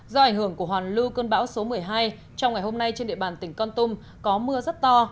do ảnh hưởng của hoàn lưu cơn bão số một mươi hai trong ngày hôm nay trên địa bàn tỉnh con tum có mưa rất to